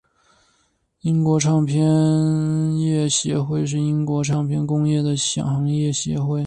英国唱片业协会是英国唱片工业的行业协会。